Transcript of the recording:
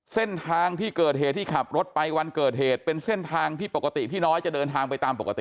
เส้นทางที่เกิดเหตุที่ขับรถไปวันเกิดเหตุเป็นเส้นทางที่ปกติพี่น้อยจะเดินทางไปตามปกติ